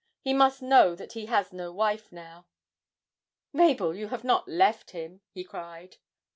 He must know that he has no wife now.' 'Mabel, you have not left him!' he cried.